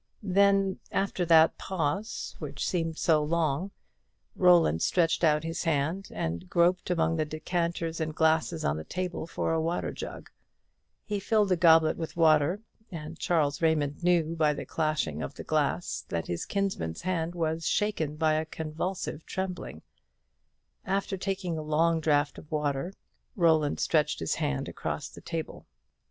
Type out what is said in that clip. Then after that pause, which seemed so long, Roland stretched out his hand and groped among the decanters and glasses on the table for a water jug; he filled a goblet with water; and Charles Raymond knew, by the clashing of the glass, that his kinsman's hand was shaken by a convulsive trembling; After taking a long draught of water, Roland stretched his hand across the table.